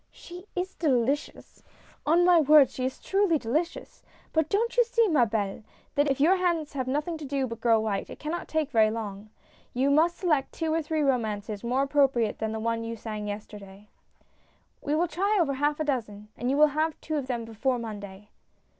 She is delicious ! on my word she is truly delicious I But don't you see, ma helle, that if your hands have nothing to do but grow white, that it cannot take very long. You must select two or three romances more appropriate than the one you sang yesterday." "We will try over a half dozen, and you will have two of them before Monday."